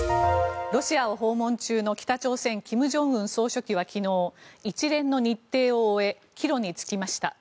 ロシアを訪問中の北朝鮮、金正恩総書記は昨日一連の日程を終え帰路に就きました。